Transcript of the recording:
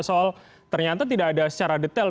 soal ternyata tidak ada secara detail